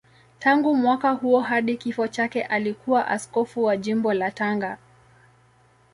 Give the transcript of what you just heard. Tangu mwaka huo hadi kifo chake alikuwa askofu wa Jimbo la Tanga.